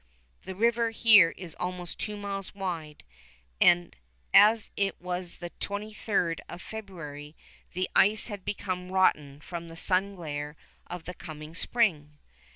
The river here is almost two miles wide, and as it was the 23d of February, the ice had become rotten from the sun glare of the coming spring.